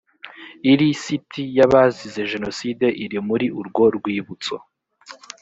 ilisiti yabazize jenoside iri muri urwo rwibutso